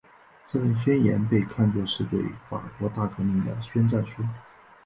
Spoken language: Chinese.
这份宣言被看作是对法国大革命的宣战书。